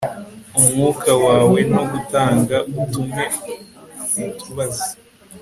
Umwuka wawe no gutanga utume ubaza